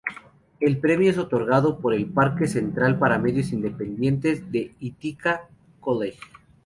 El premio es otorgado por el "Parque Central para Medios Independientes" del Ithaca College.